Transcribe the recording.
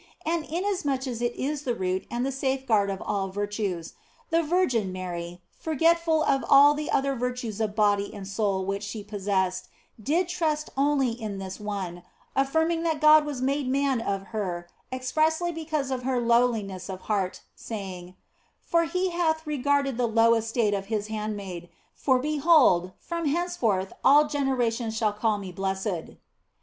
And inasmuch as it OF FOLIGNO in is the root and the safeguard of all virtues, the Virgin Mary, forgetful of all the other virtues of body and soul which she possessed, did trust only in this one, affirming that God was made man of her expressly because of her lowliness of heart, saying, " For He hath regarded the low estate of His handmaiden, for behold, from henceforth all generations shall call me blessed."